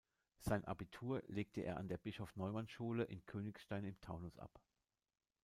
Sein Abitur legte er an der Bischof-Neumann-Schule in Königstein im Taunus ab.